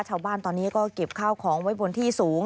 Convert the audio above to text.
ชาวบ้านตอนนี้ก็เก็บข้าวของไว้บนที่สูง